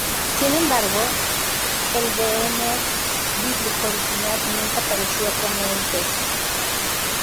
Sin embargo, el Behemoth bíblico original nunca apareció como un pez.